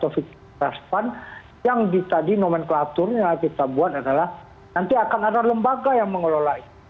yang tadi nomenklaturnya kita buat adalah nanti akan ada lembaga yang mengelola itu